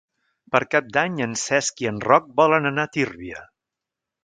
Per Cap d'Any en Cesc i en Roc volen anar a Tírvia.